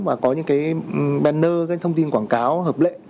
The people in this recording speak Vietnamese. mà có những cái banner thông tin quảng cáo hợp lệ